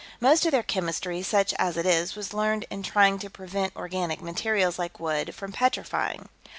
Most of their chemistry, such as it is, was learned in trying to prevent organic materials, like wood, from petrifying.